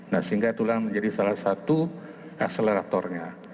nah sehingga itulah menjadi salah satu akseleratornya